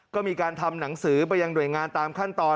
ก็มีการทำหนังสือไปยังหน่วยงานตามขั้นตอน